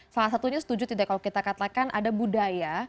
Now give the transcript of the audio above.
salah satunya setuju tidak kalau kita katakan ada budaya